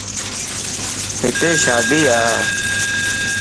ھتي شادي ا